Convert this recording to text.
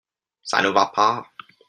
ça ne va pas.